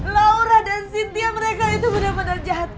laura dan cynthia mereka itu benar benar jatuh